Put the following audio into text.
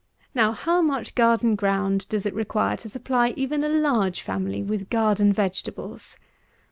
Now, how much garden ground does it require to supply even a large family with garden vegetables?